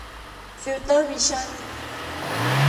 ฟิลเตอร์ วิชั่น